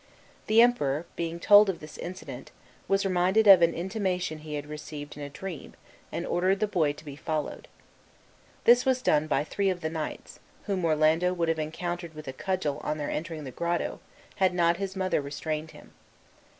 The Emperor, being told of this incident, was reminded of an intimation he had received in a dream, and ordered the boy to be followed. This was done by three of the knights, whom Orlando would have encountered with a cudgel on their entering the grotto, had not his mother restrained him.